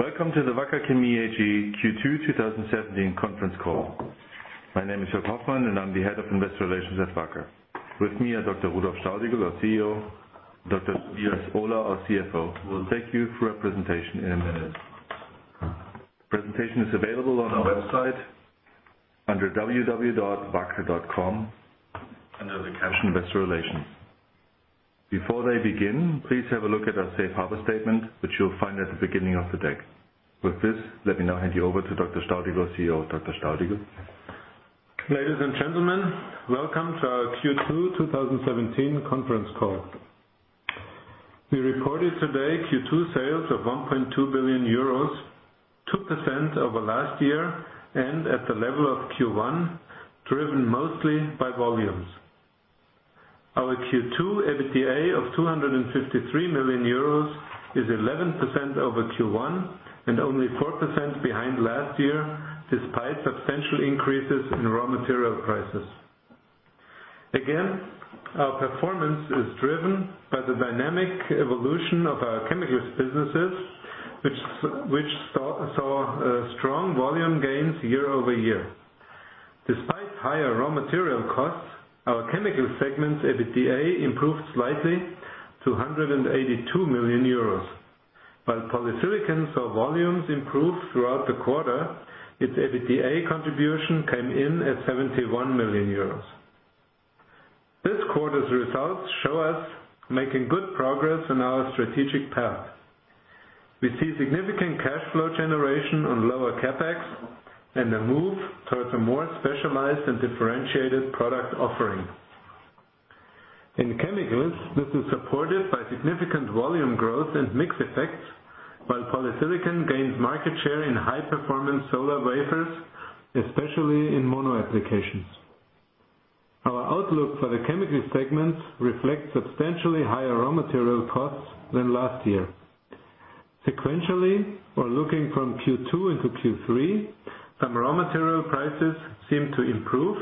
Welcome to the Wacker Chemie AG Q2 2017 conference call. My name is Joerg Hoffmann, and I'm the Head of Investor Relations at Wacker. With me are Dr. Rudolf Staudigl, our CEO, and Dr. Tobias Ohler, our CFO, who will take you through a presentation in a minute. The presentation is available on our website under www.wacker.com, under the caption Investor Relations. Before they begin, please have a look at our safe harbor statement, which you'll find at the beginning of the deck. With this, let me now hand you over to Dr. Staudigl, CEO. Dr. Staudigl. Ladies and gentlemen, welcome to our Q2 2017 conference call. We reported today Q2 sales of 1.2 billion euros, 2% over last year and at the level of Q1, driven mostly by volumes. Our Q2 EBITDA of 253 million euros is 11% over Q1 and only 4% behind last year, despite substantial increases in raw material prices. Again, our performance is driven by the dynamic evolution of our chemicals businesses, which saw strong volume gains year-over-year. Despite higher raw material costs, our chemical segment's EBITDA improved slightly to 182 million euros. While polysilicon saw volumes improve throughout the quarter, its EBITDA contribution came in at 71 million euros. This quarter's results show us making good progress on our strategic path. We see significant net cash flow generation on lower CapEx and a move towards a more specialized and differentiated product offering. In chemicals, this is supported by significant volume growth and mix effects, while polysilicon gains market share in high-performance solar wafers, especially in mono applications. Our outlook for the chemicals segment reflects substantially higher raw material costs than last year. Sequentially, or looking from Q2 into Q3, some raw material prices seem to improve,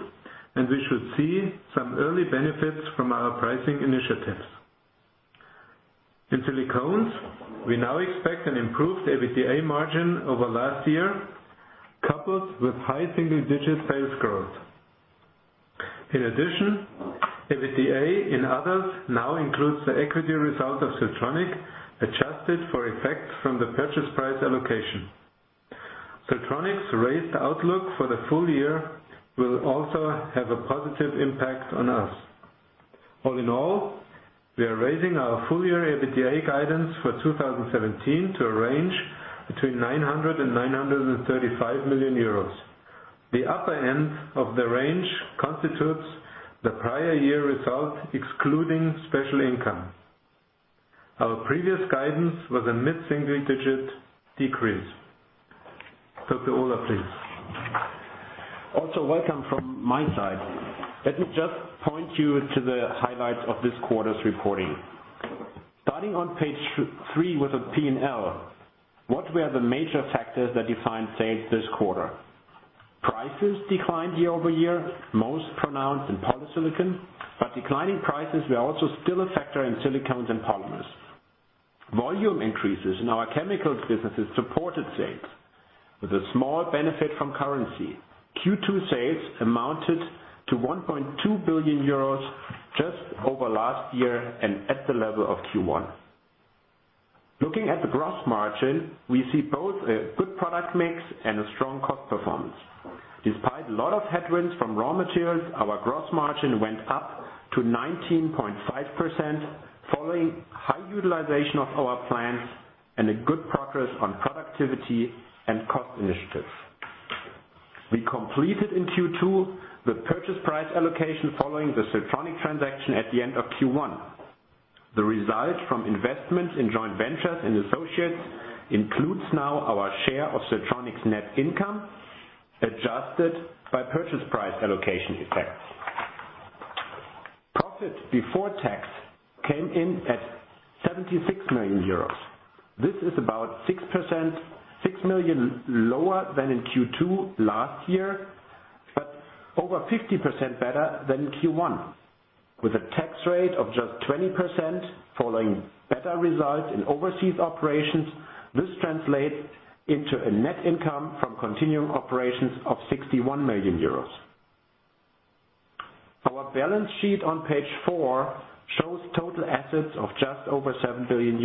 and we should see some early benefits from our pricing initiatives. In silicones, we now expect an improved EBITDA margin over last year, coupled with high single-digit sales growth. In addition, EBITDA in others now includes the equity result of Siltronic, adjusted for effects from the purchase price allocation. Siltronic's raised outlook for the full year will also have a positive impact on us. All in all, we are raising our full-year EBITDA guidance for 2017 to a range between 900 million euros and 935 million euros. The upper end of the range constitutes the prior year result, excluding special income. Our previous guidance was a mid-single-digit decrease. Dr. Ohler, please. Also, welcome from my side. Let me just point you to the highlights of this quarter's reporting. Starting on page three with the P&L, what were the major factors that defined sales this quarter? Prices declined year-over-year, most pronounced in polysilicon, but declining prices were also still a factor in silicones and polymers. Volume increases in our chemicals businesses supported sales. With a small benefit from currency. Q2 sales amounted to €1.2 billion just over last year and at the level of Q1. Looking at the gross margin, we see both a good product mix and a strong cost performance. Despite a lot of headwinds from raw materials, our gross margin went up to 19.5%, following high utilization of our plants and a good progress on productivity and cost initiatives. We completed in Q2 the purchase price allocation following the Siltronic transaction at the end of Q1. The result from investments in joint ventures and associates includes now our share of Siltronic's net income, adjusted by purchase price allocation effects. Profit before tax came in at €76 million. This is about 6%, 6 million lower than in Q2 last year, but over 50% better than Q1. With a tax rate of just 20% following better results in overseas operations, this translates into a net income from continuing operations of €61 million. Our balance sheet on page four shows total assets of just over €7 billion.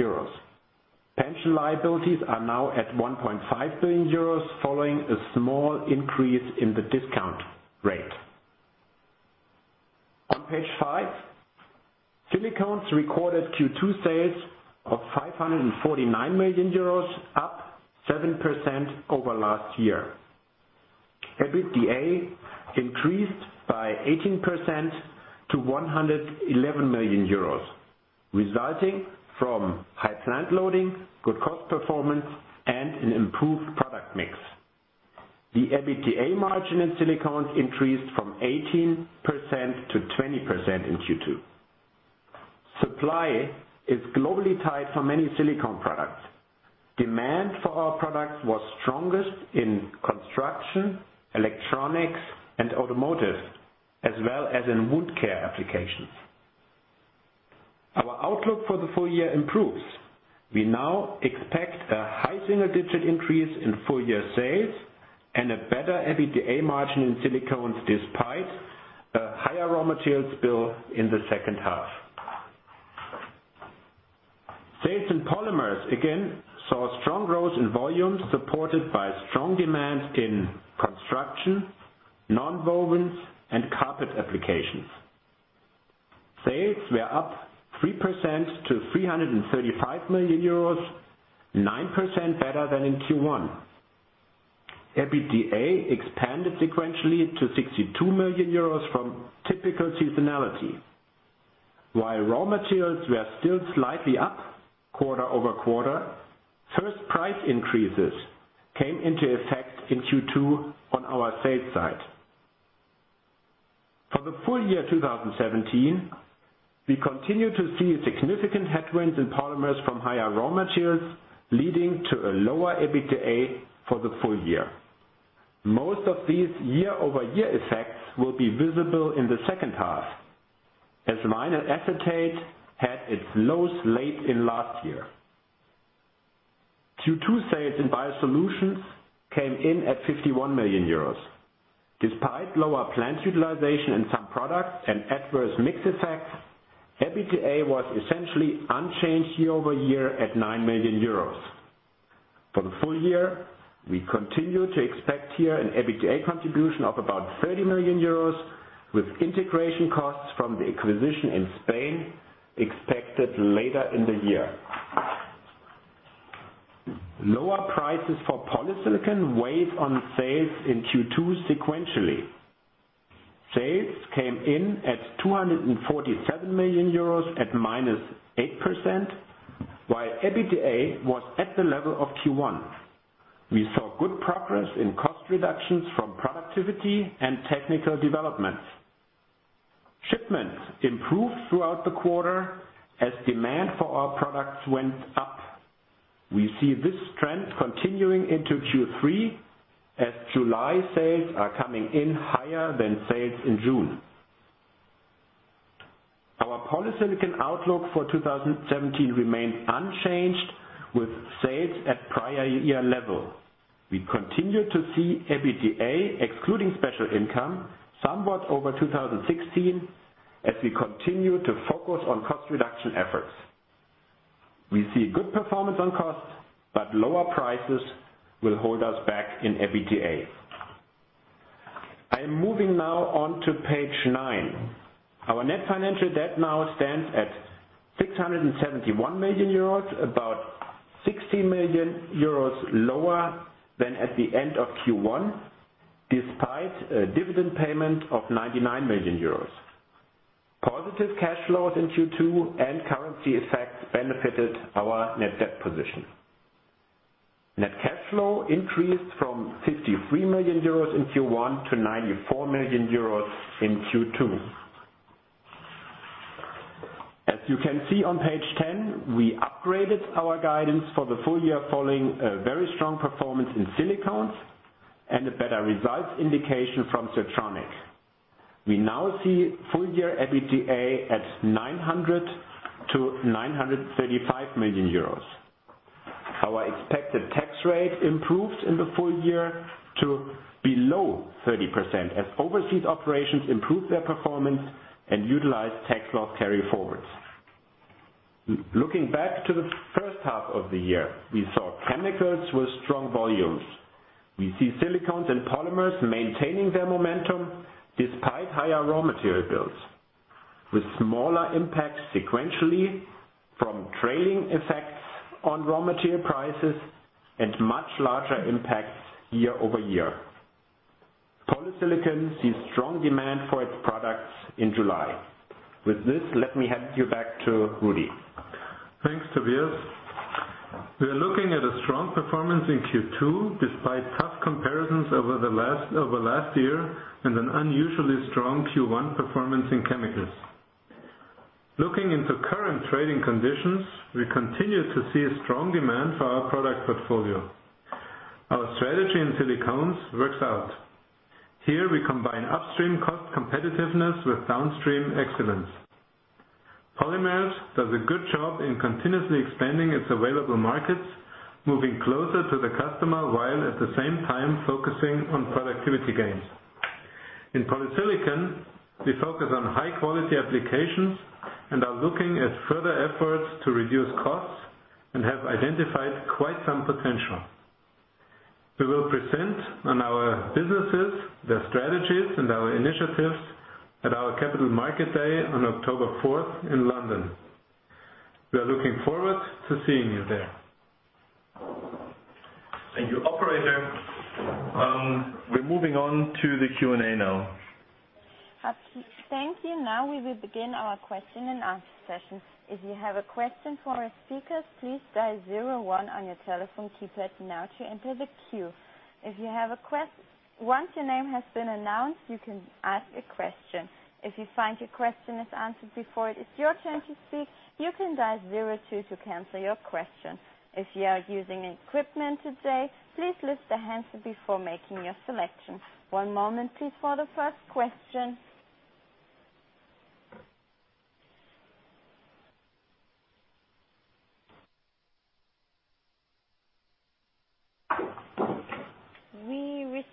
Pension liabilities are now at €1.5 billion following a small increase in the discount rate. On page five, silicones recorded Q2 sales of €549 million, up 7% over last year. EBITDA increased by 18% to €111 million, resulting from high plant loading, good cost performance, and an improved product mix. The EBITDA margin in silicones increased from 18% to 20% in Q2. Supply is globally tight for many silicone products. Demand for our products was strongest in construction, electronics, and automotive, as well as in wood care applications. Our outlook for the full year improves. We now expect a high single-digit increase in full-year sales and a better EBITDA margin in silicones despite a higher raw materials bill in the second half. Sales in polymers again saw strong growth in volumes supported by strong demand in construction, nonwovens, and carpet applications. Sales were up 3% to €335 million, 9% better than in Q1. EBITDA expanded sequentially to €62 million from typical seasonality. While raw materials were still slightly up quarter-over-quarter, first price increases came into effect in Q2 on our sales side. For the full year 2017, we continue to see significant headwinds in polymers from higher raw materials, leading to a lower EBITDA for the full year. Most of these year-over-year effects will be visible in the second half, as vinyl acetate had its lows late in last year. Q2 sales in Biosolutions came in at €51 million. Despite lower plant utilization in some products and adverse mix effects, EBITDA was essentially unchanged year-over-year at €9 million. For the full year, we continue to expect here an EBITDA contribution of about €30 million with integration costs from the acquisition in Spain expected later in the year. Lower prices for polysilicon weighed on sales in Q2 sequentially. Sales came in at €247 million at minus 8%, while EBITDA was at the level of Q1. We saw good progress in cost reductions from productivity and technical developments. Shipments improved throughout the quarter as demand for our products went up. We see this trend continuing into Q3 as July sales are coming in higher than sales in June. Our polysilicon outlook for 2017 remained unchanged with sales at prior year level. We continue to see EBITDA, excluding special income, somewhat over 2016 as we continue to focus on cost reduction efforts. We see good performance on costs, lower prices will hold us back in EBITDA. I am moving now on to page nine. Our net financial debt now stands at 671 million euros, about 60 million euros lower than at the end of Q1, despite a dividend payment of 99 million euros. Positive cash flows in Q2 and currency effects benefited our net debt position. Net cash flow increased from 53 million euros in Q1 to 94 million euros in Q2. As you can see on page 10, we upgraded our guidance for the full year following a very strong performance in silicones and a better results indication from Siltronic. We now see full year EBITDA at 900 million-935 million euros. Our expected tax rate improved in the full year to below 30% as overseas operations improved their performance and utilized tax loss carryforwards. Looking back to the first half of the year, we saw chemicals with strong volumes. We see silicones and polymers maintaining their momentum despite higher raw material bills, with smaller impacts sequentially from trailing effects on raw material prices and much larger impacts year-over-year. Polysilicon sees strong demand for its products in July. With this, let me hand you back to Rudi. Thanks, Tobias. We are looking at a strong performance in Q2 despite tough comparisons over last year and an unusually strong Q1 performance in chemicals. Looking into current trading conditions, we continue to see a strong demand for our product portfolio. Our strategy in silicones works out. Here, we combine upstream cost competitiveness with downstream excellence. Polymers does a good job in continuously expanding its available markets, moving closer to the customer while at the same time focusing on productivity gains. In polysilicon, we focus on high-quality applications and are looking at further efforts to reduce costs and have identified quite some potential. We will present on our businesses, their strategies, and our initiatives at our Capital Market Day on October 4th in London. We are looking forward to seeing you there. Thank you. Operator, we're moving on to the Q&A now. Thank you. Now we will begin our question-and-answer session. If you have a question for our speakers, please dial 01 on your telephone keypad now to enter the queue. Once your name has been announced, you can ask a question. If you find your question is answered before it is your turn to speak, you can dial 02 to cancel your question. If you are using equipment today, please lift the handset before making your selection. One moment, please, for the first question.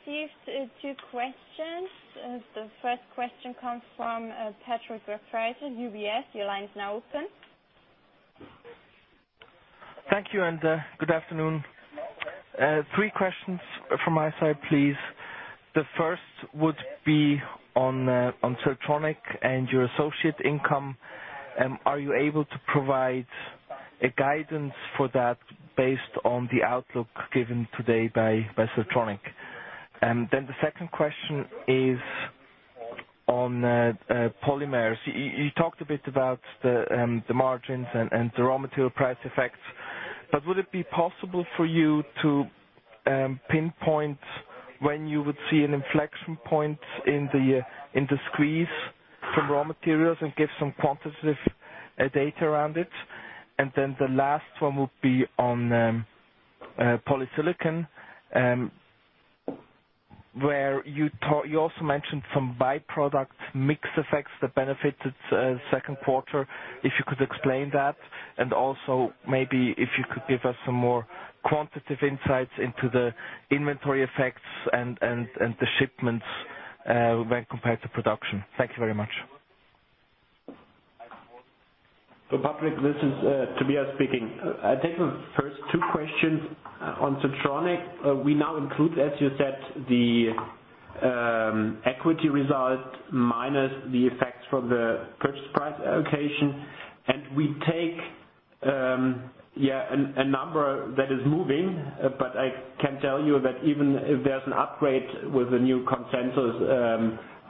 We received two questions. The first question comes from Patrick Reffre of UBS. Your line is now open. Thank you and good afternoon. Three questions from my side, please. The first would be on Siltronic and your associate income. Are you able to provide a guidance for that based on the outlook given today by Siltronic? The second question is on polymers. You talked a bit about the margins and the raw material price effects, but would it be possible for you to pinpoint when you would see an inflection point in the squeeze from raw materials and give some quantitative data around it? The last one would be on polysilicon, where you also mentioned some by-product mix effects that benefited second quarter. If you could explain that, and also maybe if you could give us some more quantitative insights into the inventory effects and the shipments when compared to production. Thank you very much. Patrick, this is Tobias speaking. I'll take the first two questions. On Siltronic, we now include, as you said, the equity result minus the effects from the purchase price allocation, we take a number that is moving. I can tell you that even if there's an upgrade with the new consensus,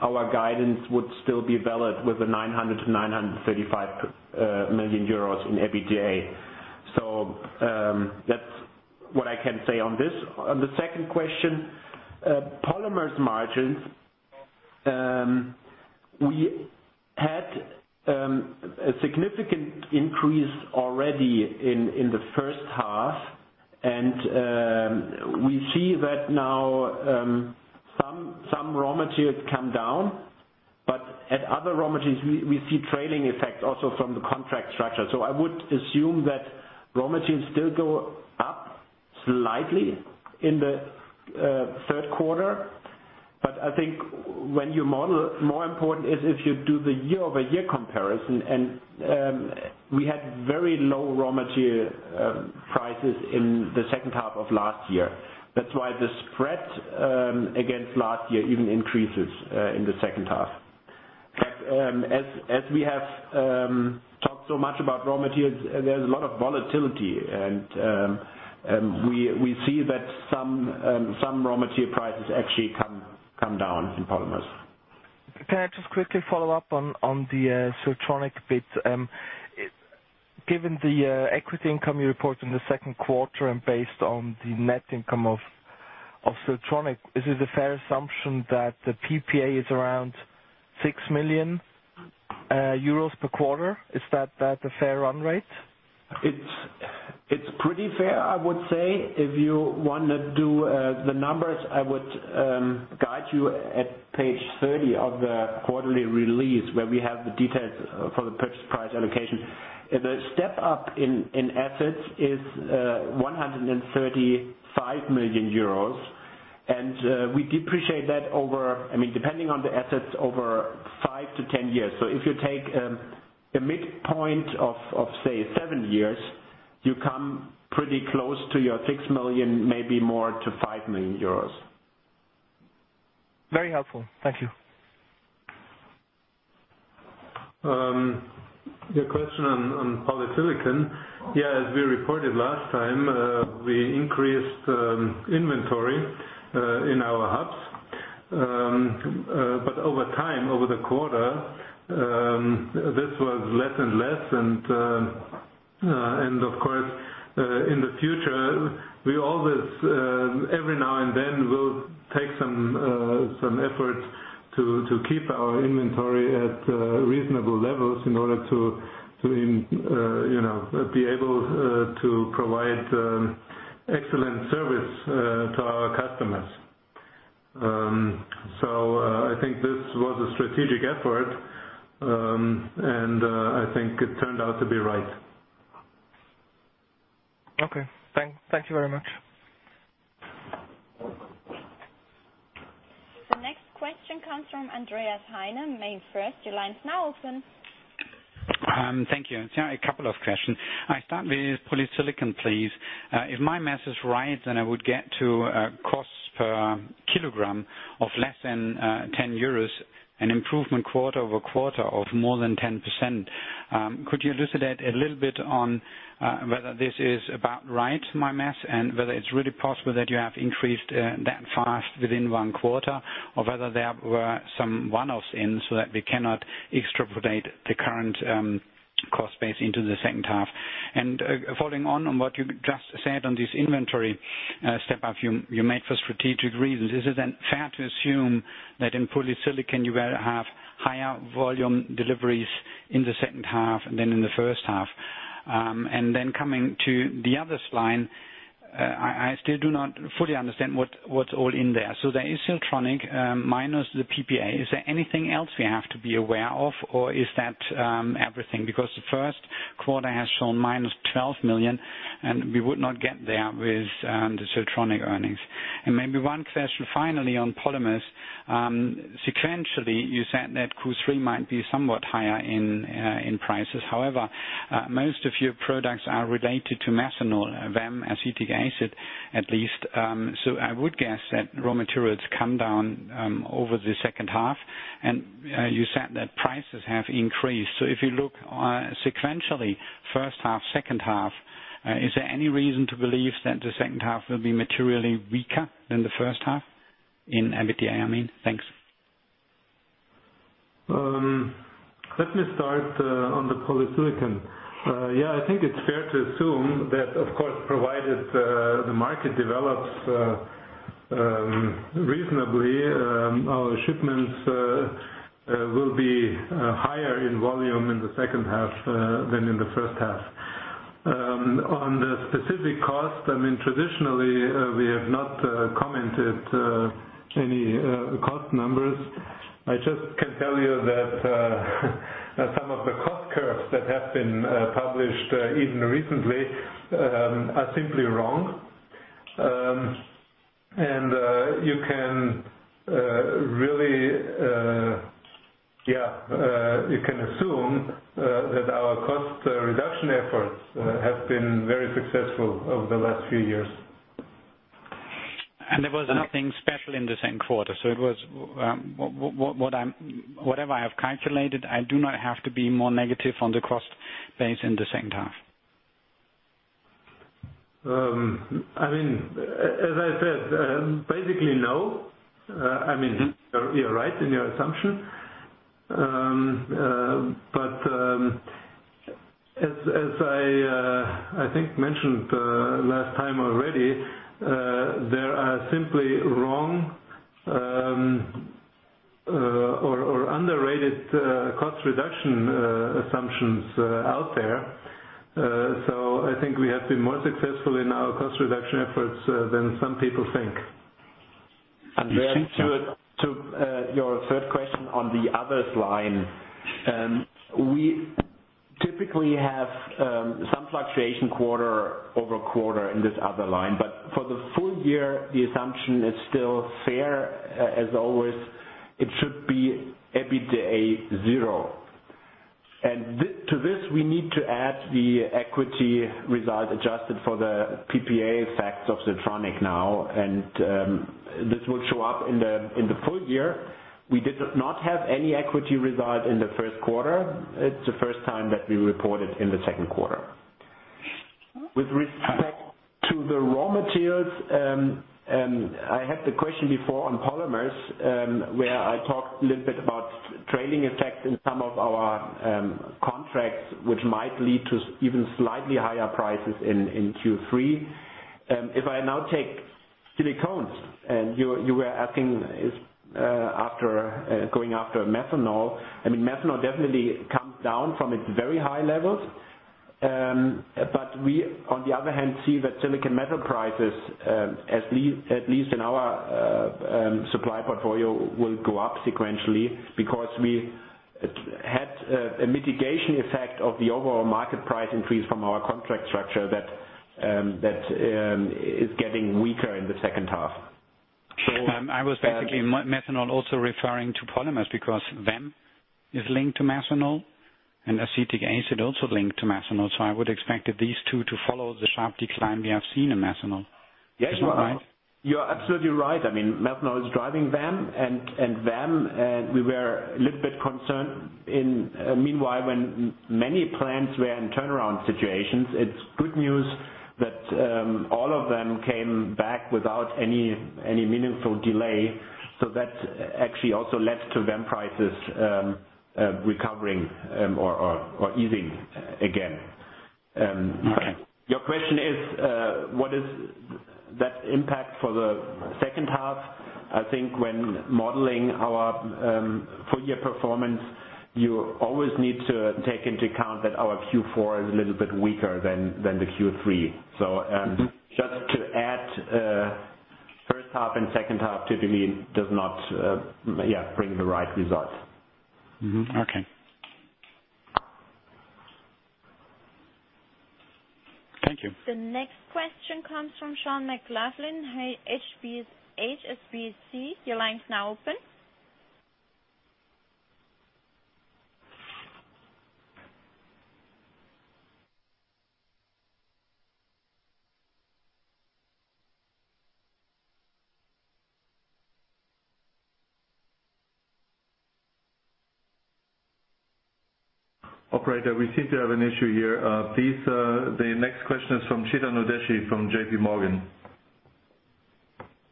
our guidance would still be valid with the 900 million to 935 million euros in EBITDA. That's what I can say on this. On the second question, polymers margins. We had a significant increase already in the first half, we see that now some raw materials come down. At other raw materials, we see trailing effects also from the contract structure. I would assume that raw materials still go up slightly in the third quarter. I think when you model, more important is if you do the year-over-year comparison, we had very low raw material prices in the second half of last year. That's why the spread against last year even increases in the second half. As we have talked so much about raw materials, there's a lot of volatility, we see that some raw material prices actually come down in polymers. Can I just quickly follow up on the Siltronic bit? Given the equity income you report in the second quarter and based on the net income of Siltronic, is it a fair assumption that the PPA is around 6 million euros per quarter? Is that the fair run rate? It's pretty fair, I would say. If you want to do the numbers, I would guide you at page 30 of the quarterly release where we have the details for the purchase price allocation. The step-up in assets is 135 million euros. We depreciate that over, depending on the assets, over five to 10 years. If you take a midpoint of, say, seven years, you come pretty close to your 6 million, maybe more to 5 million euros. Very helpful. Thank you. The question on polysilicon. As we reported last time, we increased inventory in our hubs. Over time, over the quarter, this was less and less. Of course, in the future, every now and then we'll take some effort to keep our inventory at reasonable levels in order to be able to provide excellent service to our customers. I think this was a strategic effort, and I think it turned out to be right. Okay. Thank you very much. The next question comes from Andreas Heine, MainFirst. Your line's now open. Thank you. A couple of questions. I start with polysilicon, please. If my math is right, I would get to cost per kilogram of less than 10 euros, an improvement quarter-over-quarter of more than 10%. Could you elucidate a little bit on whether this is about right, my math, and whether it's really possible that you have increased that fast within one quarter, or whether there were some one-offs in so that we cannot extrapolate the current cost base into the second half? Following on what you just said on this inventory step-up you made for strategic reasons. Is it fair to assume that in polysilicon you will have higher volume deliveries in the second half than in the first half? Coming to the others line, I still do not fully understand what's all in there. There is Siltronic minus the PPA. Is there anything else we have to be aware of or is that everything? Because the first quarter has shown minus 12 million, and we would not get there with the Siltronic earnings. Maybe one question finally on polymers. Sequentially, you said that Q3 might be somewhat higher in prices. However, most of your products are related to methanol, VAM, acetic acid, at least. I would guess that raw materials come down over the second half. You said that prices have increased. If you look sequentially, first half, second half, is there any reason to believe that the second half will be materially weaker than the first half in EBITDA, I mean? Thanks. Let me start on the polysilicon. Yeah, I think it's fair to assume that, of course, provided the market develops reasonably, our shipments will be higher in volume in the second half than in the first half. On the specific cost, traditionally, we have not commented any cost numbers. I just can tell you that some of the cost curves that have been published even recently are simply wrong. You can assume that our cost reduction efforts have been very successful over the last few years. There was nothing special in the second quarter. Whatever I have calculated, I do not have to be more negative on the cost base in the second half. As I said, basically, no. You're right in your assumption. As I think mentioned last time already, there are simply wrong or underrated cost reduction assumptions out there. I think we have been more successful in our cost reduction efforts than some people think. To your third question on the others line. We typically have some fluctuation quarter-over-quarter in this other line, but for the full year, the assumption is still fair as always. It should be EBITDA zero. To this, we need to add the equity result adjusted for the PPA effects of Siltronic now, and this will show up in the full year. We did not have any equity result in the first quarter. It's the first time that we report it in the second quarter. With respect to the raw materials, I had the question before on polymers, where I talked a little bit about trailing effects in some of our contracts, which might lead to even slightly higher prices in Q3. If I now take silicones, and you were asking going after methanol. Methanol definitely comes down from its very high levels. We, on the other hand, see that silicon metal prices, at least in our supply portfolio, will go up sequentially because we had a mitigation effect of the overall market price increase from our contract structure that is getting weaker in the second half. I was basically, methanol, also referring to polymers because VAM is linked to methanol, and acetic acid also linked to methanol. I would expect these two to follow the sharp decline we have seen in methanol. Is that right? You're absolutely right. Methanol is driving VAM. VAM, we were a little bit concerned meanwhile when many plants were in turnaround situations. It's good news that all of them came back without any meaningful delay. That actually also led to VAM prices recovering or easing again. Okay. Your question is, what is that impact for the second half? I think when modeling our full-year performance, you always need to take into account that our Q4 is a little bit weaker than the Q3. Just to add first half and second half typically does not bring the right results. Okay. Thank you. The next question comes from John McLoughlin, HSBC. Your line's now open. Operator, we seem to have an issue here. Please, the next question is from Chetan Udeshi from JPMorgan.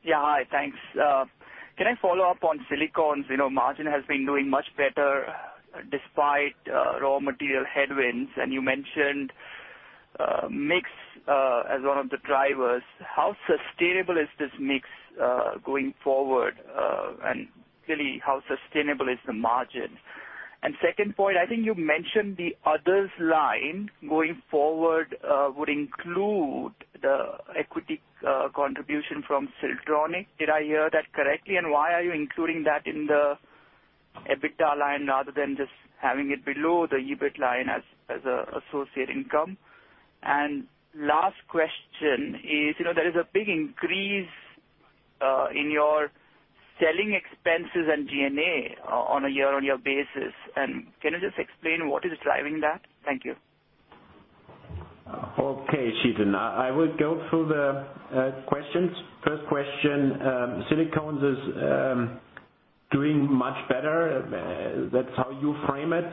Hi, thanks. Can I follow up on silicones? Margin has been doing much better despite raw material headwinds, and you mentioned mix as one of the drivers. How sustainable is this mix going forward? Really, how sustainable is the margin? Second point, I think you mentioned the others line going forward would include the equity contribution from Siltronic. Did I hear that correctly? Why are you including that in the EBITDA line rather than just having it below the EBIT line as associate income. Last question is, there is a big increase in your selling expenses and G&A on a year-on-year basis. Can you just explain what is driving that? Thank you. Okay, Chetan. I will go through the questions. First question Silicones is doing much better, that's how you frame it.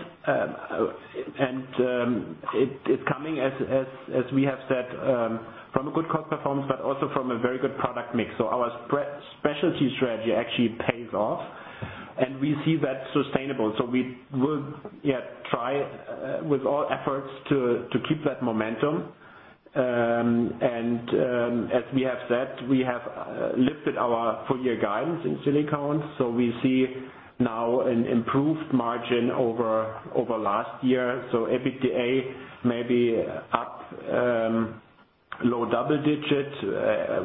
It's coming, as we have said, from a good cost performance, but also from a very good product mix. Our specialty strategy actually pays off, and we see that sustainable. We will try with all efforts to keep that momentum. As we have said, we have lifted our full-year guidance in Silicones. We see now an improved margin over last year. EBITDA may be up low double digits,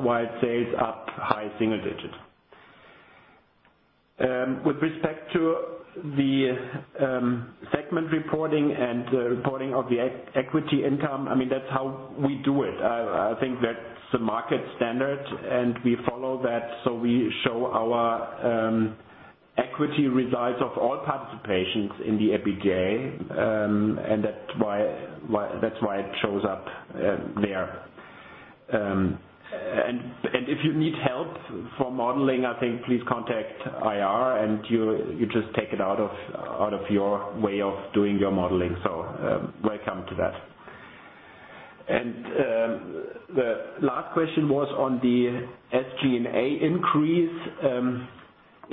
while sales up high single digits. With respect to the segment reporting and the reporting of the equity income, that's how we do it. I think that's the market standard, and we follow that. We show our equity results of all participations in the EBITDA. That's why it shows up there. If you need help for modeling, I think please contact IR, and you just take it out of your way of doing your modeling. Welcome to that. The last question was on the SG&A increase.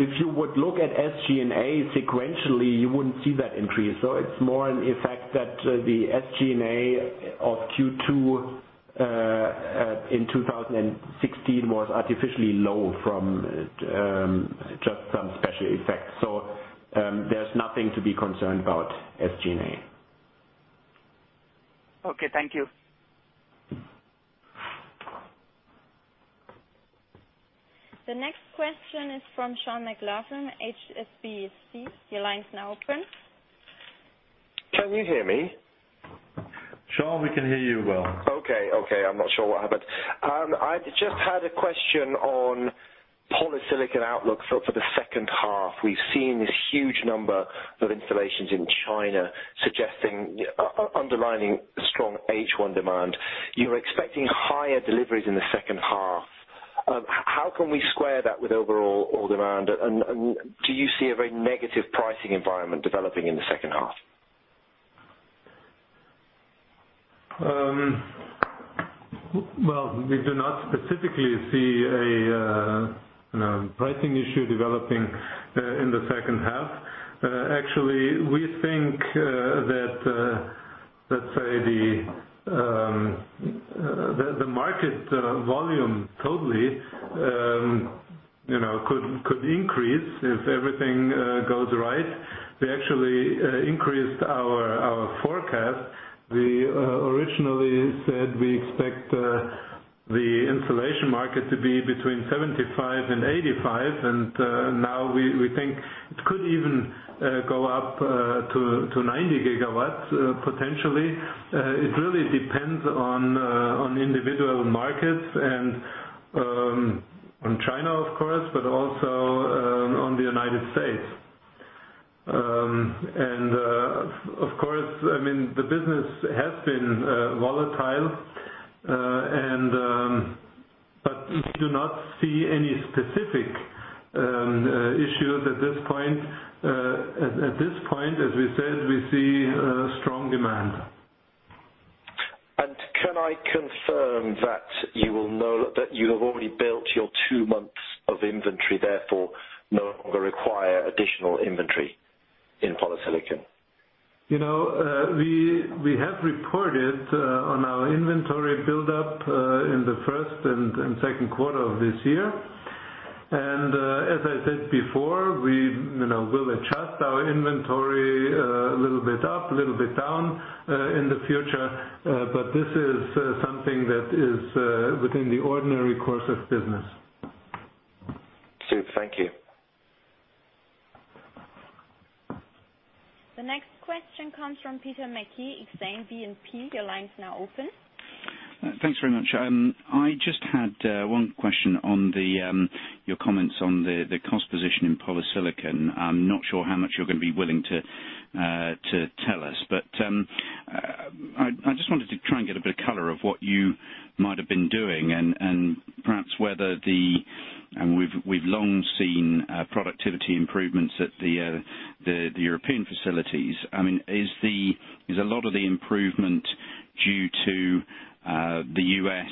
If you would look at SG&A sequentially, you wouldn't see that increase. It's more an effect that the SG&A of Q2 in 2016 was artificially low from just some special effects. There's nothing to be concerned about SG&A. Okay. Thank you. The next question is from John McLoughlin, HSBC. Your line is now open. Can you hear me? John, we can hear you well. Okay. I'm not sure what happened. I just had a question on polysilicon outlook for the second half. We've seen this huge number of installations in China, underlining strong H1 demand. You're expecting higher deliveries in the second half. How can we square that with overall demand? Do you see a very negative pricing environment developing in the second half? Well, we do not specifically see a pricing issue developing in the second half. Actually, we think that, let's say the market volume totally could increase if everything goes right. We actually increased our forecast. We originally said we expect the installation market to be between 75 and 85, and now we think it could even go up to 90 gigawatts, potentially. It really depends on individual markets and on China, of course, but also on the United States. Of course, the business has been volatile. We do not see any specific issues at this point. At this point, as we said, we see strong demand. Can I confirm that you have already built your two months of inventory, therefore no longer require additional inventory in polysilicon? We have reported on our inventory buildup in the first and second quarter of this year. As I said before, we will adjust our inventory a little bit up, a little bit down, in the future. This is something that is within the ordinary course of business. Super. Thank you. The next question comes from Peter Mackey, Exane BNP. Your line is now open. Thanks very much. I just had one question on your comments on the cost position in polysilicon. I'm not sure how much you're going to be willing to tell us, I just wanted to try and get a bit of color of what you might have been doing and perhaps We've long seen productivity improvements at the European facilities. Is a lot of the improvement due to the U.S.?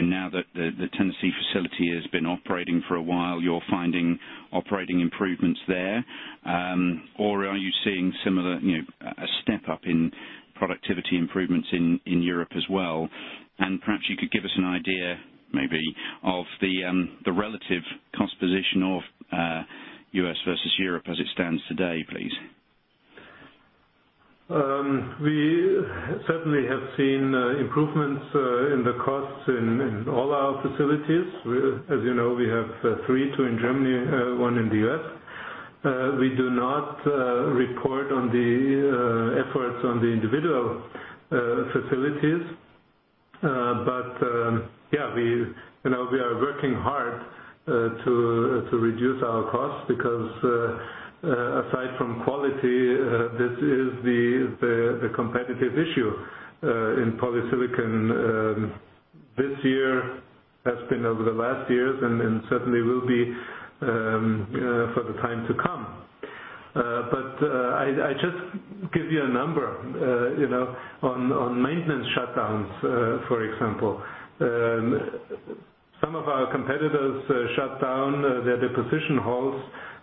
Now that the Tennessee facility has been operating for a while, you're finding operating improvements there? Are you seeing a step up in productivity improvements in Europe as well? Perhaps you could give us an idea, maybe, of the relative cost position of U.S. versus Europe as it stands today, please. We certainly have seen improvements in the costs in all our facilities. As you know, we have three, two in Germany, one in the U.S. We do not report on the efforts on the individual facilities. We are working hard to reduce our costs because, aside from quality, this is the competitive issue in polysilicon this year, has been over the last years, and certainly will be for the time to come. I just give you a number. On maintenance shutdowns, for example. Some of our competitors shut down their deposition halls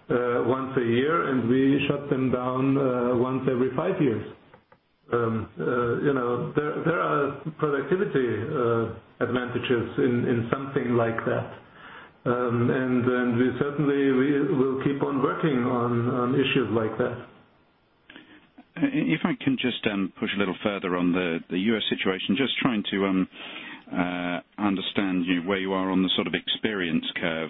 once a year, and we shut them down once every five years. There are productivity advantages in something like that. We certainly will keep on working on issues like that. If I can just push a little further on the U.S. situation, just trying to understand where you are on the sort of experience curve.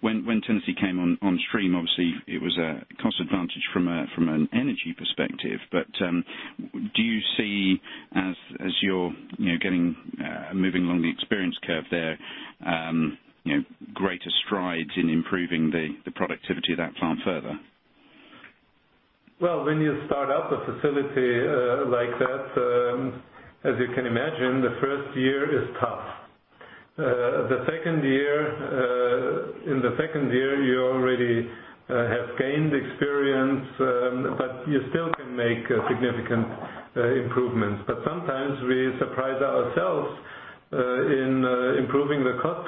When Tennessee came on stream, obviously it was a cost advantage from an energy perspective, but do you see as you're moving along the experience curve there, greater strides in improving the productivity of that plant further? Well, when you start up a facility like that, as you can imagine, the first year is tough. In the second year, you already have gained experience, but you still can make significant improvements. Sometimes we surprise ourselves in improving the cost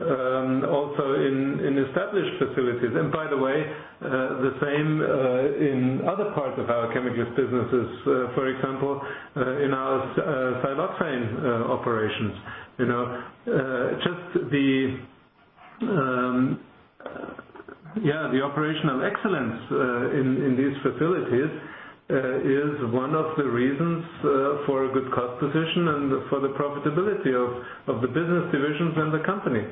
position, also in established facilities. By the way, the same in other parts of our chemicals businesses, for example, in our siloxane operations. Just the operational excellence in these facilities is one of the reasons for a good cost position and for the profitability of the business divisions and the company.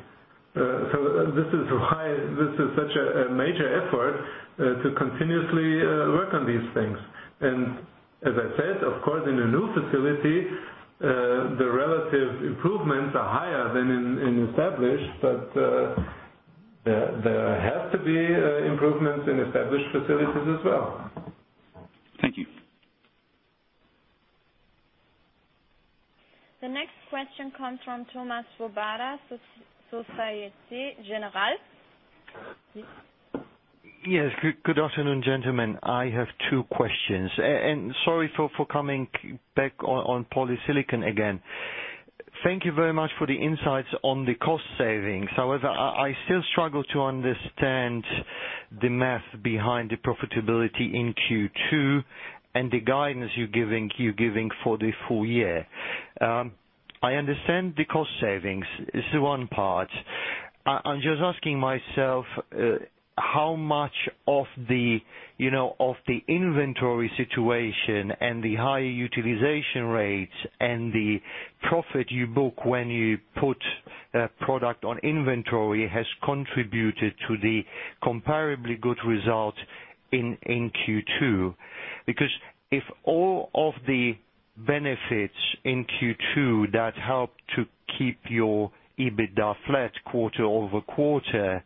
This is why this is such a major effort to continuously work on these things. As I said, of course, in a new facility, the relative improvements are higher than in established, but there has to be improvements in established facilities as well. Thank you. The next question comes from Thomas Swoboda, Société Générale. Yes. Good afternoon, gentlemen. I have two questions. Sorry for coming back on polysilicon again. Thank you very much for the insights on the cost savings. I still struggle to understand the math behind the profitability in Q2 and the guidance you're giving for the full year. I understand the cost savings is one part. I'm just asking myself how much of the inventory situation and the high utilization rates and the profit you book when you put a product on inventory has contributed to the comparably good result in Q2. If all of the benefits in Q2 that help to keep your EBITDA flat quarter-over-quarter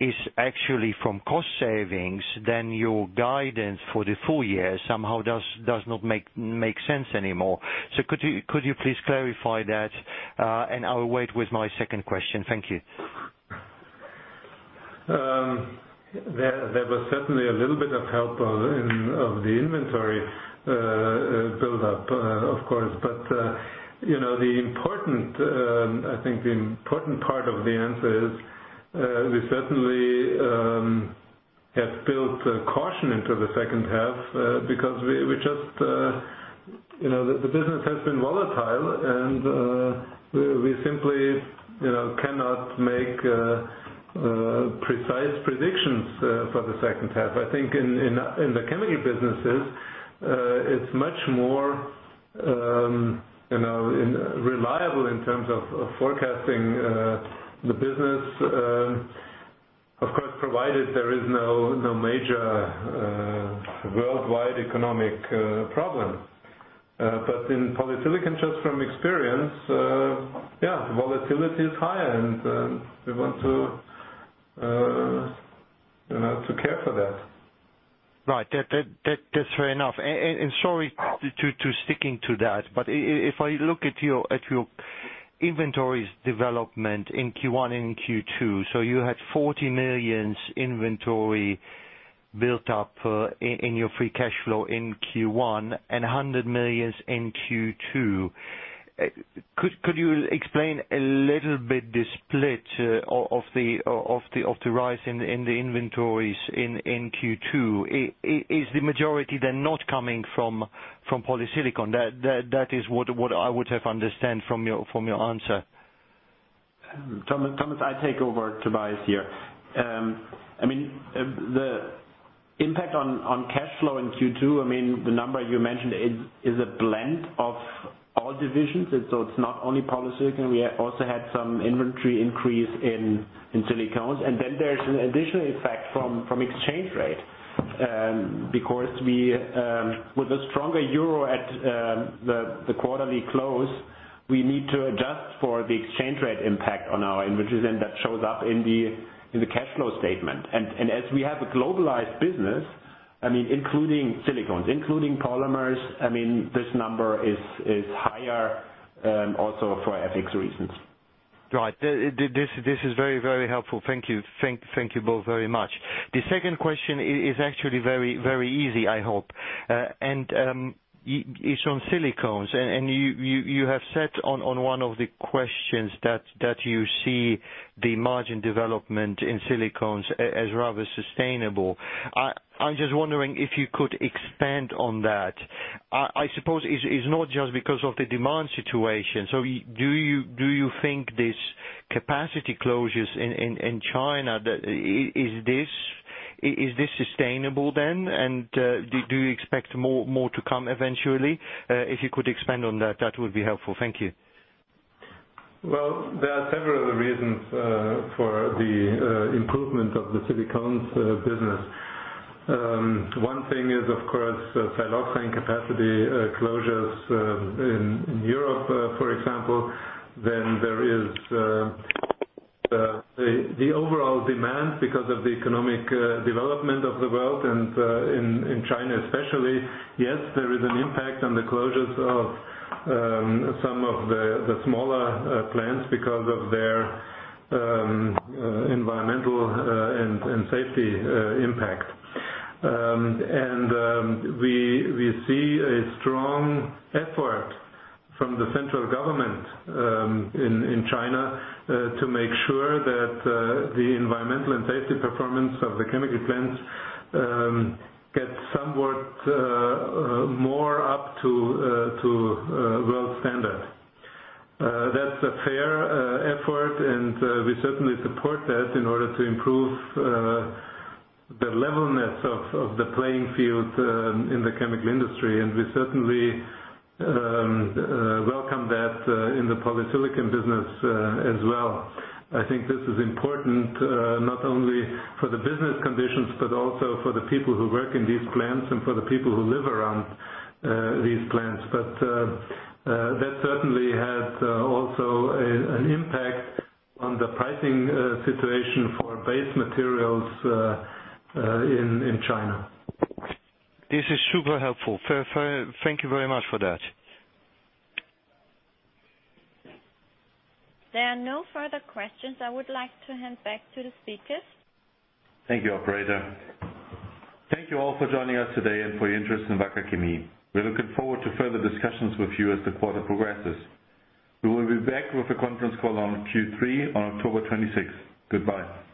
is actually from cost savings, then your guidance for the full year somehow does not make sense anymore. Could you please clarify that? I'll wait with my second question. Thank you. There was certainly a little bit of help of the inventory buildup, of course. I think the important part of the answer is, we certainly have built caution into the second half, because the business has been volatile, and we simply cannot make precise predictions for the second half. I think in the chemical businesses, it's much more reliable in terms of forecasting the business, of course, provided there is no major worldwide economic problem. In polysilicon, just from experience, volatility is higher, and we want to care for that. Right. That's fair enough. Sorry to sticking to that, but if I look at your inventories development in Q1 and Q2, you had 40 million inventory built up in your free cash flow in Q1 and 100 million in Q2. Could you explain a little bit the split of the rise in the inventories in Q2? Is the majority then not coming from polysilicon? That is what I would have understand from your answer. Thomas, I take over Tobias here. The impact on cash flow in Q2, the number you mentioned is a blend of all divisions. It's not only polysilicon, we also had some inventory increase in silicones. Then there's an additional effect from exchange rate. Because with a stronger euro at the quarterly close, we need to adjust for the exchange rate impact on our inventories, and that shows up in the cash flow statement. As we have a globalized business, including silicones, including polymers, this number is higher, also for FX reasons. Right. This is very helpful. Thank you both very much. The second question is actually very easy, I hope. It's on silicones. You have said on one of the questions that you see the margin development in silicones as rather sustainable. I'm just wondering if you could expand on that. I suppose it's not just because of the demand situation. Do you think this capacity closures in China, is this sustainable then? Do you expect more to come eventually? If you could expand on that would be helpful. Thank you. Well, there are several reasons for the improvement of the silicones business. One thing is, of course, siloxane capacity closures in Europe, for example. There is the overall demand because of the economic development of the world and, in China especially. Yes, there is an impact on the closures of some of the smaller plants because of their environmental and safety impact. We see a strong effort from the central government in China to make sure that the environmental and safety performance of the chemical plants gets somewhat more up to world standard. That's a fair effort, and we certainly support that in order to improve the levelness of the playing field in the chemical industry. We certainly welcome that in the polysilicon business as well. I think this is important not only for the business conditions, but also for the people who work in these plants and for the people who live around these plants. That certainly has also an impact on the pricing situation for base materials in China. This is super helpful. Thank you very much for that. There are no further questions. I would like to hand back to the speakers. Thank you, operator. Thank you all for joining us today and for your interest in Wacker Chemie. We're looking forward to further discussions with you as the quarter progresses. We will be back with a conference call on Q3 on October 26th. Goodbye.